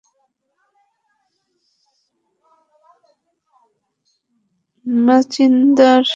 মাচিনদার, বলটা দে।